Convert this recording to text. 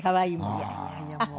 いやいやいやもう。